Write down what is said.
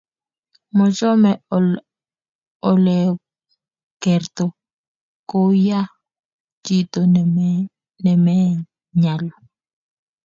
Mochome oleokertoo kouyo chito nemenyalu